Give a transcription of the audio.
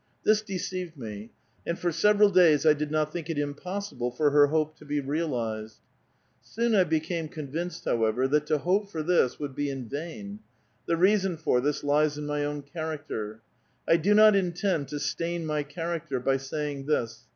This deceived me, and for several davs I did not think it impossible for her hope to be realized. Soon I became convinced, however, that to hope for this would be in vain. The reason for this lies in my own character. '* I do not intend to stain my character by saying this.